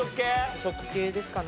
主食系ですかね。